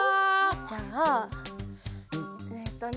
じゃあえっとね。